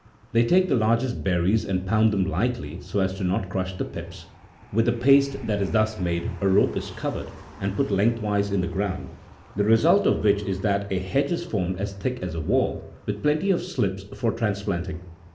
31 They take the largest berries and pound them lightly so as not to crush the pips : with the paste that is thus made a rope is covered, and put lengthwise in the ground ; the result of which is that a hedge is formed as thick as a wall, with plenty of slips for transplanting.